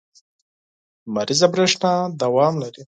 لمریزه برېښنا دوام لري.